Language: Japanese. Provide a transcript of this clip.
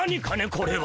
これは。